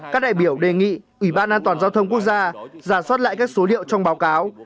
các đại biểu đề nghị ủy ban an toàn giao thông quốc gia giả soát lại các số liệu trong báo cáo